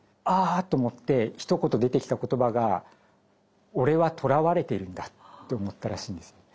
ああっと思ってひと言出てきた言葉が「俺は捕らわれているんだ」と思ったらしいんです。